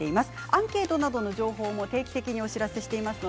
アンケートなどの情報も定期的にお知らせしています。